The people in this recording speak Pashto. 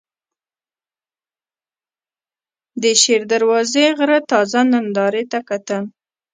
د شېر دروازې غره تازه نندارې ته کتل.